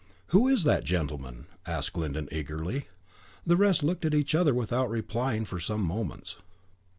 "Who is that gentleman?" asked Glyndon, eagerly. The rest looked at each other, without replying, for some moments.